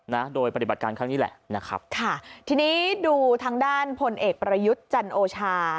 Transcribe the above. นะโดยปฏิบัติการครั้งนี้แหละนะครับค่ะทีนี้ดูทางด้านพลเอกประยุทธ์จันโอชา